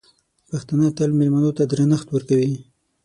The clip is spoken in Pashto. پښتانه تل مېلمنو ته درنښت ورکوي.